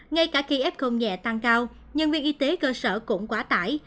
ngay cả khi f nhẹ tăng cao nhân viên y tế cơ sở cũng quá tải